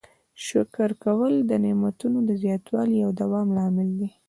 شکر کول د نعمتونو د زیاتوالي او دوام لامل دی.